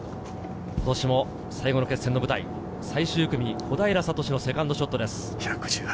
今年も最後の決戦の舞台、最終組、小平智のセカンドショットです。